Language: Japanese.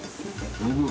すごい。